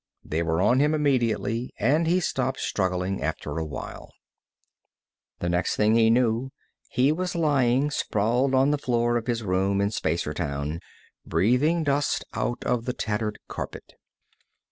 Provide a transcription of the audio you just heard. They were on him immediately, and he stopped struggling after a while. The next thing he knew he was lying sprawled on the floor of his room in Spacertown, breathing dust out of the tattered carpet.